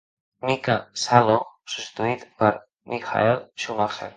Mika Salo substituït per Michael Schumacher.